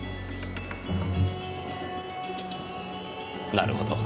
なるほど。